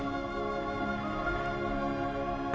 bukan anak gue